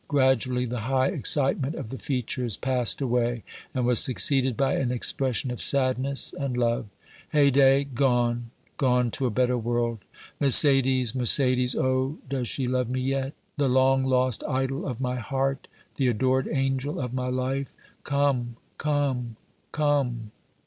Gradually the high excitement of the features passed away and was succeeded by an expression of sadness and love. "Haydée gone gone to a better world. Mercédès Mercédès oh! does she love me yet? The long lost idol of my heart! the adored angel of my life! come! come! come!"